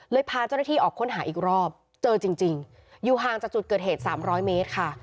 พาเจ้าหน้าที่ออกค้นหาอีกรอบเจอจริงอยู่ห่างจากจุดเกิดเหตุ๓๐๐เมตรค่ะ